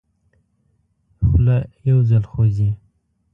خوله یو ځل خوځي.